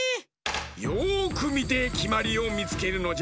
よくみてきまりをみつけるのじゃ。